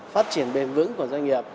phát triển bền vững của doanh nghiệp